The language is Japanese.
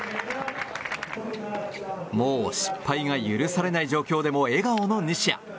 もう失敗が許されない状況でも笑顔の西矢。